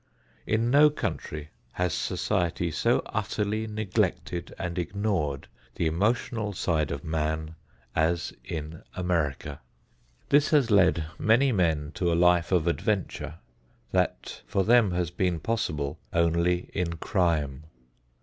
In no country has society so utterly neglected and ignored the emotional side of man as in America. This has led many men to a life of adventure that for them has been possible only in crime.